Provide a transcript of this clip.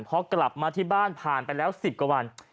พอกลับมาที่บ้านผ่านไปแล้ว๑๐กว่าวัน